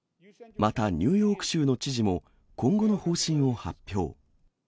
また、ニューヨーク州の知事も、今後の方針を発表。